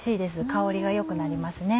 香りが良くなりますね。